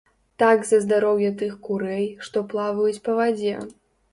Так за здароўе тых курэй, што плаваюць па вадзе.